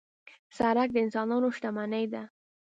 سړک د انسانانو شتمني ده.